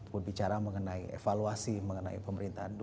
berbicara mengenai evaluasi mengenai pemerintahan